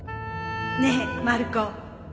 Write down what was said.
ねえまる子。